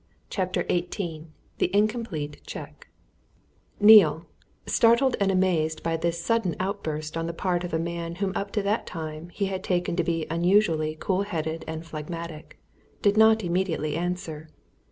CHAPTER XVIII THE INCOMPLETE CHEQUE Neale, startled and amazed by this sudden outburst on the part of a man whom up to that time he had taken to be unusually cool headed and phlegmatic, did not immediately answer.